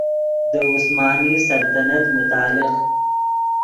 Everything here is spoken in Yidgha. دے عثمانی سلطنت متعلق